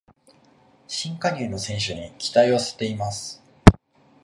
新加入の選手に期待を寄せています